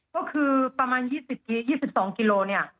ก็คือประมาณ๒๒กิโลเนี่ย